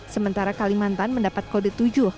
sementara kalimantan mendapat kode tujuh